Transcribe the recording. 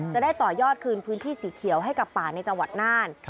จะได้ต่อยอดคืนพื้นที่สีเขียวให้กับป่าในจังหวัดน่าน